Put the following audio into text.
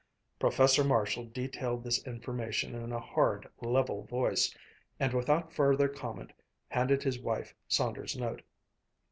Professor Marshall detailed this information in a hard, level voice, and without further comment handed his wife Saunders' note.